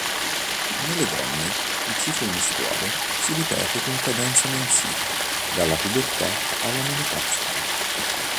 Nelle donne il ciclo mestruale si ripete con cadenza mensile dalla pubertà alla menopausa.